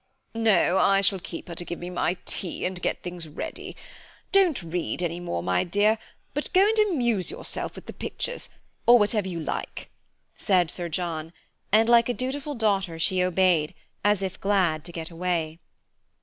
"No, I shall keep her to give me my tea and get things ready. Don't read anymore, my dear, but go and amuse yourself with the pictures, or whatever you like," said Sir John; and like a dutiful daughter she obeyed, as if glad to get away.